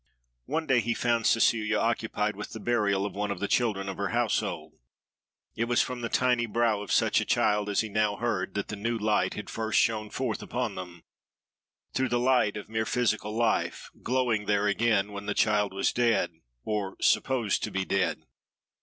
One day he found Cecilia occupied with the burial of one of the children of her household. It was from the tiny brow of such a child, as he now heard, that the new light had first shone forth upon them—through the light of mere physical life, glowing there again, when the child was dead, or supposed to be dead.